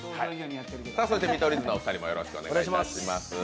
そして、見取り図のお二人もよろしくお願いします。